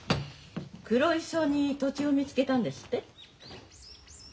黒磯に土地を見つけたんですって？